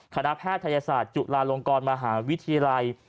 แพทยศาสตร์จุฬาลงกรมหาวิทยาลัย